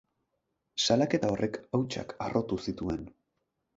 Salaketa horrek hautsak harrotu zituen.